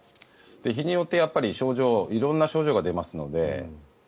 日によって症状色々な症状が出ますので。